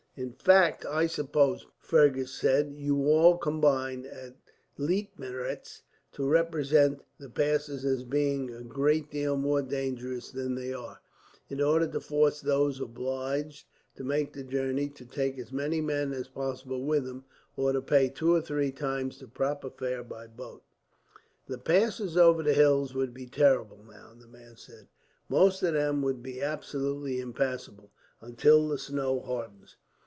"In fact, I suppose," Fergus said, "you all combine, at Leitmeritz, to represent the passes as being a great deal more dangerous than they are; in order to force those obliged to make the journey to take as many men as possible with him, or to pay two or three times the proper fare, by boat." "The passes over the hills would be terrible, now," the man said. "Most of them would be absolutely impassable, until the snow hardens.